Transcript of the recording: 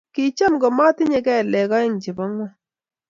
Kicham komatinyei kelek oeng chebo ngony